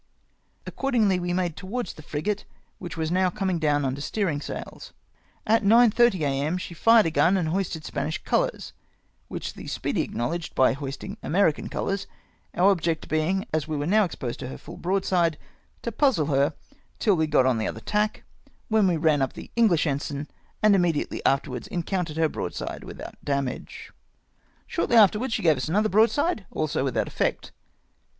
Accordingly we made towards the frigate, which was now coming down under steering sails. At 9 30 a.m., she fired a gun and hoisted Spanish colouis, which the Speedy acknowledged by hoisting American colours, our object being, as we were now exposed to her full broadside, to puzzle her, till we got on the other tack, wdien w^e ran up the English ensign, and immediately afterwards encountered her broadside without damaaje. Shortly afterwards she gave us another broadside, also without effect.